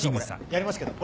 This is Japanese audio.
やりますけどこれ。